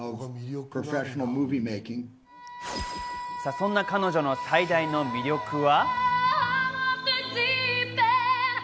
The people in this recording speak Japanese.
そんな彼女の最大の魅力は。